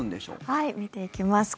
はい、見ていきます。